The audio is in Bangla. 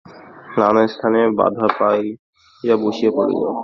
নানা স্থানে বাধা পাইয়া বসিয়া পড়িল।